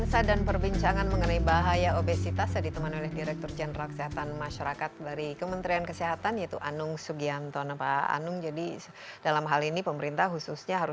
sampai jumpa di video selanjutnya